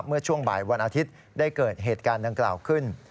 เมื่อช่วงบ่ายวันอาทิตย์ได้เกิดเหตุการณ์ดังกล่าวขึ้น